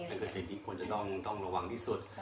นั่นคือสิ่งที่ควรจะต้องระวังที่สุด